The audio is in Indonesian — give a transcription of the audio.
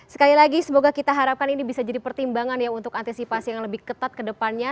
sekali lagi semoga kita harapkan ini bisa jadi pertimbangan ya untuk antisipasi yang lebih ketat ke depannya